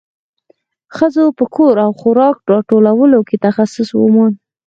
ښځو په کور او خوراک راټولولو کې تخصص وموند.